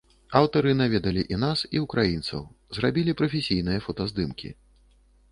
Аўтары наведалі і нас, і ўкраінцаў, зрабілі прафесійныя фотаздымкі.